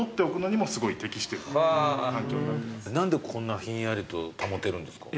何でこんなひんやりと保てるんですか？